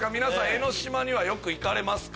江の島にはよく行かれますか？